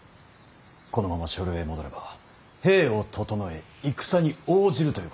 このまま所領へ戻れば兵を調え戦に応じるということ。